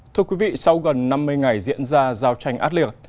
thưa quý vị sau gần năm mươi ngày diễn ra giao tranh át liệt